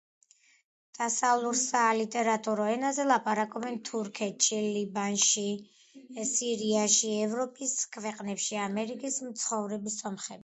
დასავლურ სალიტერატურო ენაზე ლაპარაკობენ თურქეთში, ლიბანში, სირიაში, ევროპის ქვეყნებში, ამერიკაში მცხოვრები სომხები.